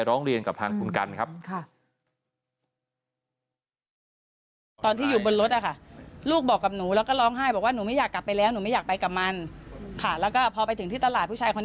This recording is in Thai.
ร้องเรียนกับทางคุณกันครับ